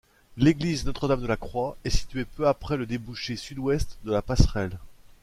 L'église Notre-Dame-de-la-Croix est située peu après le débouché sud-ouest de la passerelle.